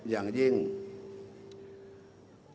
อย่างยิ่งมาก